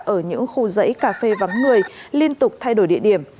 ở những khu dãy cà phê vắng người liên tục thay đổi địa điểm